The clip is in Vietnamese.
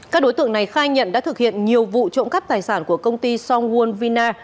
các đối tượng này khai nhận đã thực hiện nhiều vụ trộm cắp tài sản của công ty somwon vina